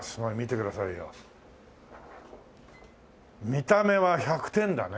見た目は１００点だね！